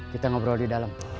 kita ngobrol di dalam